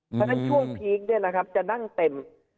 เพราะฉะนั้นช่วงพีคเนี้ยนะครับจะนั่งเต็ม